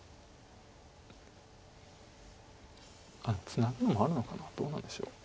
ツナぐのもあるのかなどうなんでしょう。